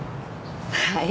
はい。